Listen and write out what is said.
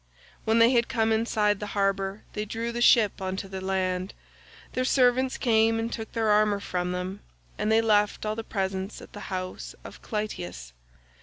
When they had come inside the harbour they drew the ship on to the land; their servants came and took their armour from them, and they left all the presents at the house of Clytius.